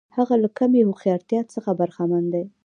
هغه له کمې هوښیارتیا څخه برخمن دی.